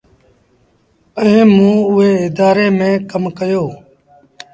ائيٚݩ موݩ اُئي ادآري ميݩ ڪم ڪيو۔